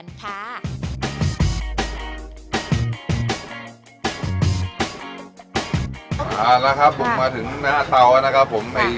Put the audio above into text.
เอาละครับบุงมาถึงหน้าเตาอ่ะนะครับผมไอ